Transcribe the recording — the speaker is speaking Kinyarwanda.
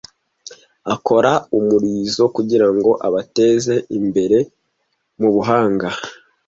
Akora umurizo kugirango abateze imbere mubuhanga,